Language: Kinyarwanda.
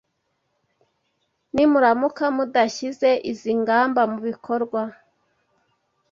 Nimuramuka mudashyize izi ngamba mu bikorwa